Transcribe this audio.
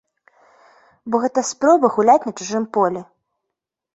Бо гэта спроба гуляць на чужым полі.